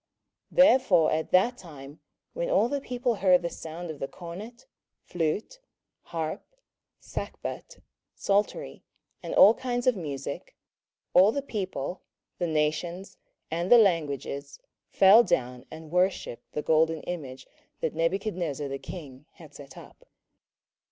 27:003:007 Therefore at that time, when all the people heard the sound of the cornet, flute, harp, sackbut, psaltery, and all kinds of musick, all the people, the nations, and the languages, fell down and worshipped the golden image that Nebuchadnezzar the king had set up.